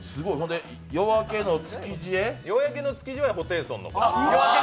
夜明けの築地はホテイソン。